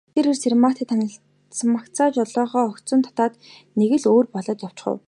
Тэр эр Цэрэгмааг танимагцаа жолоогоо огцом татаад нэг л өөр болоод явчхав.